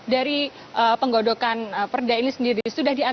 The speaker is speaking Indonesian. dari penggodokan perda ini sendiri sudah tidak boleh